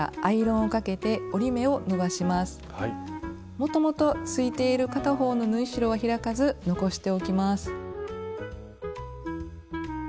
もともとついている片方の縫い代は開かず残しておきます。